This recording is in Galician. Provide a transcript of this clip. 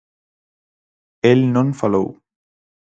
El non falou.